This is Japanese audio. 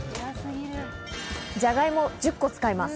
じゃがいも１０個使います。